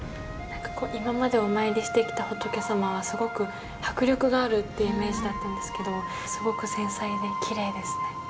なんか今までお参りしてきた仏様はすごく迫力があるってイメージだったんですけどすごく繊細できれいですね。